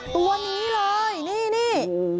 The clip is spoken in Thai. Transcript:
ตัวนี้เลยนี่